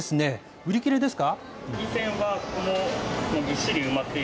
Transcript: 売り切れですか？